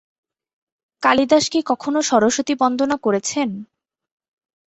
কালিদাস কি কখনো সরস্বতী বন্দনা করেছেন?